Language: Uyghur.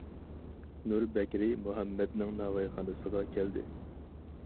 نۇر بەكرى مۇھەممەدنىڭ ناۋايخانىسىغا كەلدى.